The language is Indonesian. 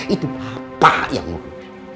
itu bapak yang murid